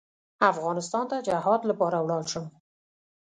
افغانستان ته جهاد لپاره ولاړ شم.